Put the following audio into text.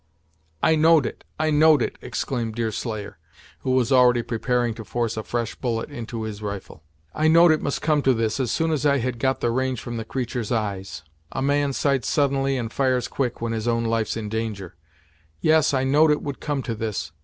"I know'd it I know'd it!" exclaimed Deerslayer, who was already preparing to force a fresh bullet into his rifle; "I know'd it must come to this, as soon as I had got the range from the creatur's eyes. A man sights suddenly, and fires quick when his own life's in danger; yes, I know'd it would come to this.